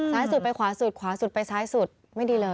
ซ้ายสุดไปขวาสุดขวาสุดไปซ้ายสุดไม่ดีเลย